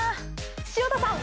潮田さん！